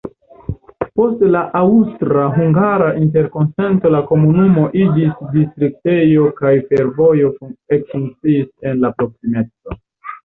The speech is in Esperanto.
Post la Aŭstra-hungara interkonsento la komunumo iĝis distriktejo kaj fervojo ekfunkciis en la proksimeco.